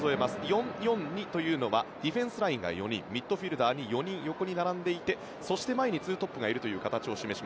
４−４−２というのはディフェンスラインが４人ミッドフィールダーに４人横に並んでいてそして前に２トップがいるという形です。